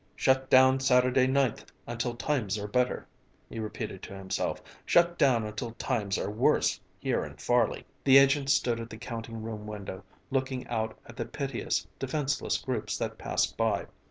"Shut down Saturday 9th until times are better!" he repeated to himself. "Shut down until times are worse here in Farley!" The agent stood at the counting room window looking out at the piteous, defenseless groups that passed by.